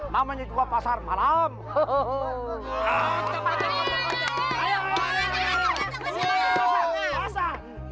mamanya juga pasar malam